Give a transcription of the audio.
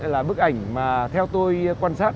là bức ảnh mà theo tôi quan sát